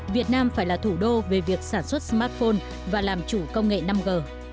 việt nam phải là thủ đô về việc sản xuất smartphone và làm chủ công nghệ năm g